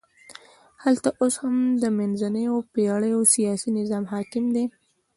هلته اوس هم د منځنیو پېړیو سیاسي نظام حاکم دی.